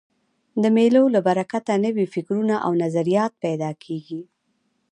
د مېلو له برکته نوي فکرونه او نظریات پیدا کېږي.